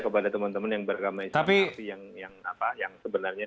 kepada teman teman yang beragama islam yang sebenarnya